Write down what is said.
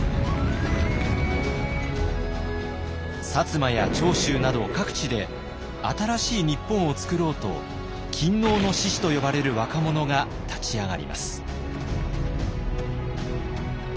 摩や長州など各地で新しい日本をつくろうと勤王の志士と呼ばれる若者が立ち上がります。